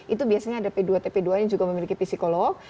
itu biasanya ada p dua tp dua yang juga memiliki psikolog